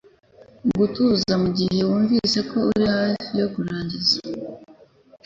Gutuza Mu gihe wumvise ko uri hafi yo kurangiza,